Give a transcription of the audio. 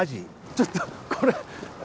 ちょっとこれ。